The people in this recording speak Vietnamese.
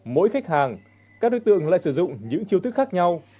mỗi khách hàng các đối tượng lại sử dụng những chiêu thức khác nhau